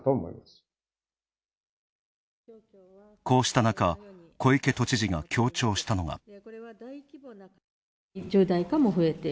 こうした中、小池都知事が強調したのは。